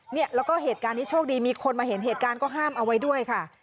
เนี่ยแล้วก็เหตุการณ์นี้โชคดีมีคนมาเห็นเหตุการณ์ก็ห้ามเอาไว้ด้วยค่ะ